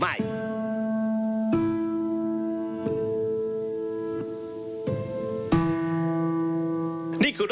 ก็ได้มีการอภิปรายในภาคของท่านประธานที่กรกครับ